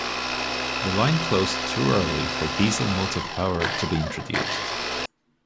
The line closed too early for diesel motive power to be introduced.